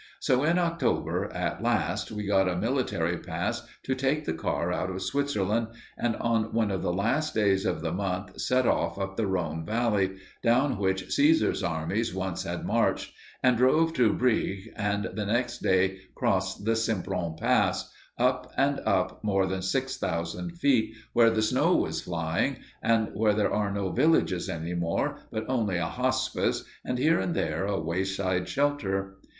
So in October at last we got a military pass to take the car out of Switzerland, and on one of the last days of the month set off up the Rhone Valley, down which Cæsar's armies once had marched, and drove to Brigue, and the next day crossed the Simplon Pass up and up more than six thousand feet, where the snow was flying, and where there are no villages any more, but only a hospice, and here and there a wayside shelter.